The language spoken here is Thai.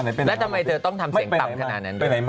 แล้วทำไมเธอต้องทำเสียงต่ำขนาดนั้นด้วย